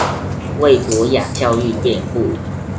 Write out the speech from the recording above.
為博雅教育辯護